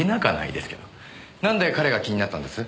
なんで彼が気になったんです？